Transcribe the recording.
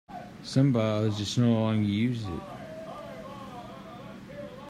Some biologists no longer use it.